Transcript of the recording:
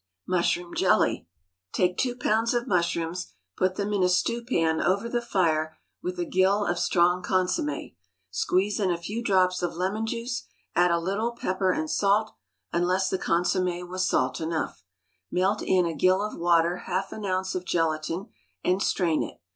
Mushroom Jelly. Take two pounds of mushrooms, put them in a stewpan over the fire with a gill of strong consommé. Squeeze in a few drops of lemon juice, add a little pepper and salt, unless the consommé was salt enough. Melt in a gill of water half an ounce of gelatine, and strain it.